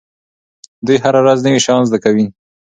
دوی هره ورځ نوي شیان زده کوي.